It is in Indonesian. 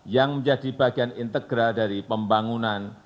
yang menjadi bagian integral dari pembangunan